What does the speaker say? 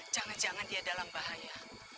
jangan jangan dia dalam bahaya